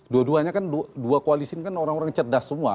dua duanya kan dua koalisi ini kan orang orang yang cerdas semua